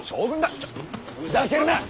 ちょっふざけるな！